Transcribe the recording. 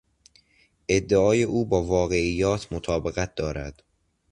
ادعای او با واقعیات مطابقت دارد.